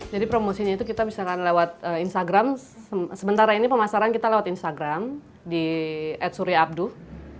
jadi promosinya itu kita bisa lewat instagram sementara ini pemasaran kita lewat instagram di at suria abduh